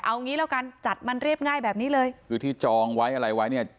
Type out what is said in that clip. เอางี้แล้วกันจัดมันเรียบง่ายแบบนี้เลยคือที่จองไว้อะไรไว้เนี่ย